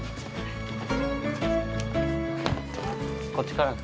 こっちからか。